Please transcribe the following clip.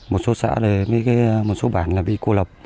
một số xã một số bản bị cô lập